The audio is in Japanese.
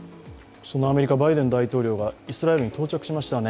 そのアメリカ、バイデン大統領がイスラエルに到着しましたね。